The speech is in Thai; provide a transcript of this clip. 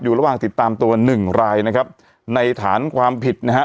ระหว่างติดตามตัวหนึ่งรายนะครับในฐานความผิดนะฮะ